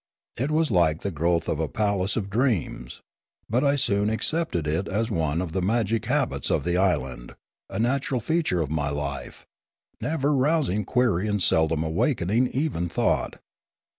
It was like the growth of a palace of dreams; but I soon ac cepted it as one of the magic habits of the island, a natural feature of my life, never rousing query and seldom awakening even thought.